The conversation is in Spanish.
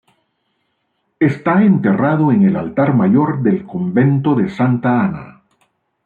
Está enterrado en el Altar Mayor del Convento de Santa Ana.